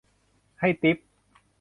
ให้ติ๊ป